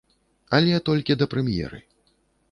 Але толькі да прэм'еры.